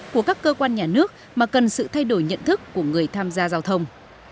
của các cơ quan nhà nước mà cần sự thay đổi nhận thức của người tham gia giao thông